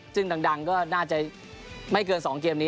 ซึ่งดังก็น่าจะไม่เกิน๒เกมนี้